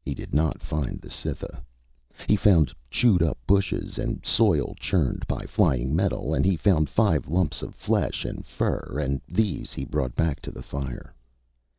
He did not find the Cytha. He found chewed up bushes and soil churned by flying metal, and he found five lumps of flesh and fur, and these he brought back to the fire.